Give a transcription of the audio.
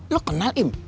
lo kenal im